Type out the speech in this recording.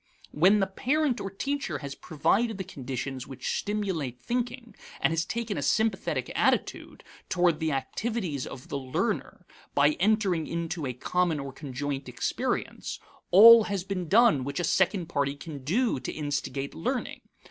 When the parent or teacher has provided the conditions which stimulate thinking and has taken a sympathetic attitude toward the activities of the learner by entering into a common or conjoint experience, all has been done which a second party can do to instigate learning.